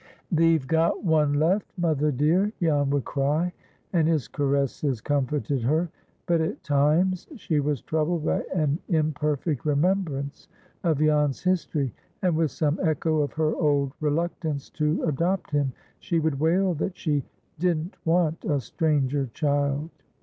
"Thee've got one left, mother dear," Jan would cry, and his caresses comforted her. But at times she was troubled by an imperfect remembrance of Jan's history, and, with some echo of her old reluctance to adopt him, she would wail that she "didn't want a stranger child."